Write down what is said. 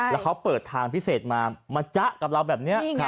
แล้วเขาเปิดทางพิเศษมามาจ๊ะกับเราแบบนี้